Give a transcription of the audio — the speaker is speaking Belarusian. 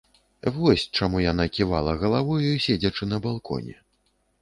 Вось чаму яна ківала галавою, седзячы на балконе.